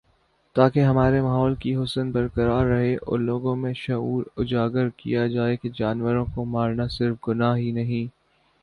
تاکہ ہمارے ماحول کی حسن برقرار رہے اور لوگوں میں شعور اجاگر کیا جائے کہ جانوروں کو مار نا صرف گناہ ہی نہیں